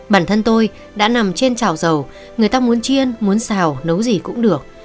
bản thân tôi đã nằm trên trào dầu người ta muốn chiên muốn xào nấu gì cũng được